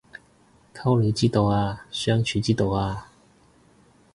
溝女之道啊相處之道啊